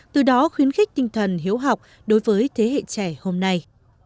từ đó khuyến khích tinh thần hiếu học đối với thế hệ trẻ hôm nay